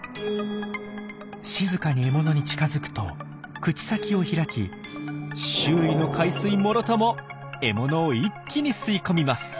静かに獲物に近づくと口先を開き周囲の海水もろとも獲物を一気に吸い込みます。